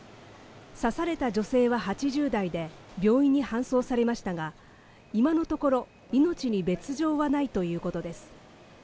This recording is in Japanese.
刺された女性は８０代で病院に搬送されましたが、今のところ命に別条はないということです。